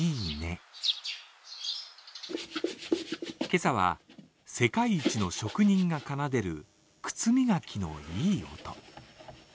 今朝は世界一の職人が奏でる靴磨きのいい音。